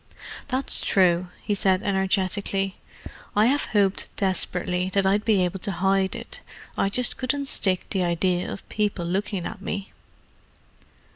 "That's true," he said energetically. "I have hoped desperately that I'd be able to hide it; I just couldn't stick the idea of people looking at me."